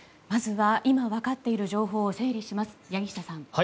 まずは今、分かっている情報を整理します、柳下さん。